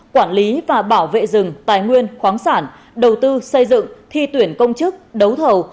quản lý và bảo vệ rừng tài nguyên khoáng sản đầu tư xây dựng thi tuyển công chức đấu thầu